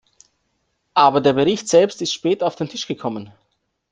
Aber der Bericht selbst ist spät auf den Tisch gekommen.